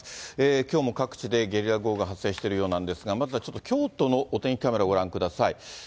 きょうも各地でゲリラ豪雨が発生しているようなんですが、まずはちょっと京都のお天気カメラをご覧ください。